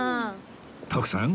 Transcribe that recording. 徳さん